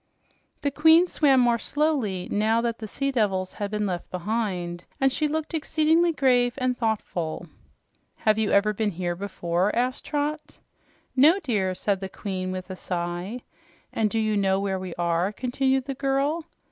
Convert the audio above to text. The queen swam more slowly now that the sea devils had been left behind, and she looked exceedingly grave and thoughtful. "Have you ever been here before?" asked Trot. "No, dear," said the Queen with a sigh. "And do you know where we are?" continued the girl.